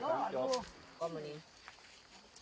จากฝั่งภูมิธรรมฝั่งภูมิธรรม